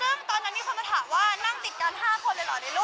ซึ่งตอนนั้นมีคนมาถามว่านั่งติดกัน๕คนเลยเหรอในรูป